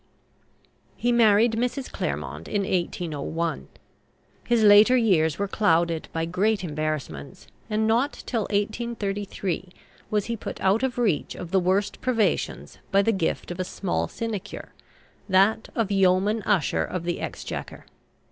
He married Mrs. Clairmont in 1801. His later years were clouded by great embarrassments, and not till 1833 was he put out of reach of the worst privations by the gift of a small sinecure, that of yeoman usher of the Exchequer.